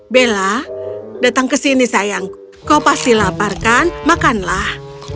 bella datang ke sini sayang kau pasti laparkan makanlah